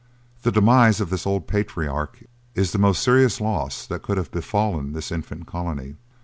The demise of this old patriarch is the most serious loss that could have befallen this infant colony.